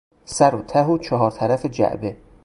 سر و ته و چهار طرف جعبه